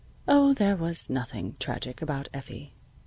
Oh, there was nothing tragic about Effie.